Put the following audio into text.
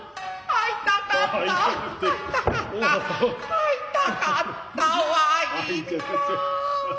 会いたかったわいなあ。